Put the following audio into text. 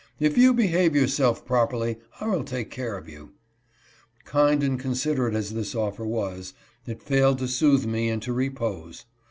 " If you behave your self properly, I will take care of you." Kind and con siderate as this offer was, it failed to soothe me into repose.